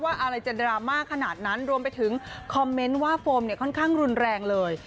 อะไรจะดราม่าขนาดนั้นรวมไปถึงคอมเมนต์ว่าโฟมเนี่ยค่อนข้างรุนแรงเลย